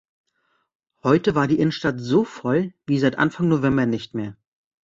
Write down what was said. Heute war die Innenstadt so voll wie seit Anfang November nicht mehr.